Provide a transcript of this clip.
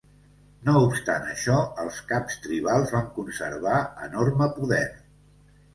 No obstant això, els caps tribals van conservar enorme poder.